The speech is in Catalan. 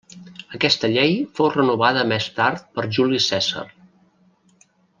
Aquesta llei fou renovada més tard per Juli Cèsar.